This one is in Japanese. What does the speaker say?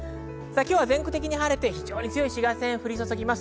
今日は全国的に晴れて非常に強い紫外線が降り注ぎます。